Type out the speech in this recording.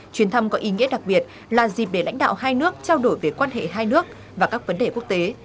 chuyến thăm có ý nghĩa đặc biệt là dịp để lãnh đạo hai nước trao đổi về quan hệ hai nước và các vấn đề quốc tế